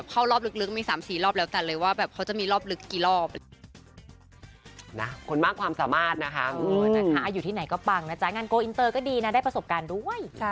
เข้ารอบลึกมี๓๔รอบแล้ว